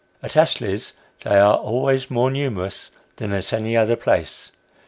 At Astley's they are always more numerous than at any other place.